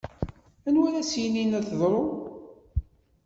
Anwa ara s-yinin ad teḍṛu?